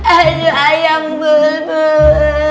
aduh ayam bulbul